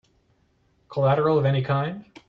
Collateral of any kind?